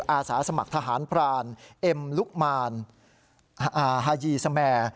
อาสาสมัครทหารพรานเอ็มลุกมานฮายีสแมร์